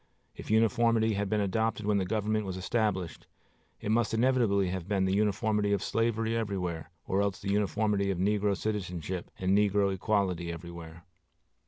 If uniformity had been adopted when the government was established, it must inevitably have been the uniformity of slavery everywhere, or else the uniformity of negro citizenship and negro equality everywhere.